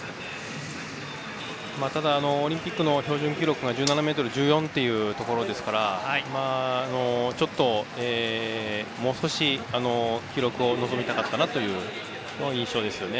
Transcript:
ただオリンピックの標準記録が１７ｍ１４というところですからちょっと、もう少し記録を望みたかった印象です。